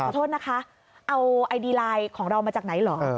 โทษนะคะเอาไอดีไลน์ของเรามาจากไหนเหรอ